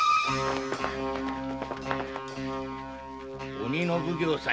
鬼の奉行さんよ